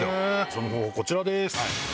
その方法こちらです。